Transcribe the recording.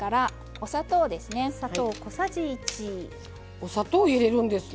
お砂糖入れるんですね。